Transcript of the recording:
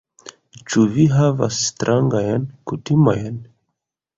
Ĉu vi havas strangajn kutimojn?